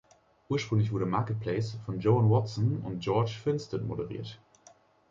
Ursprünglich wurde "Marketplace" von Joan Watson und George Finstad moderiert.